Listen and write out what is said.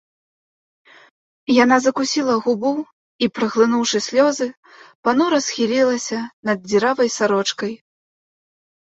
Яна закусіла губу і, праглынуўшы слёзы, панура схілілася над дзіравай сарочкай.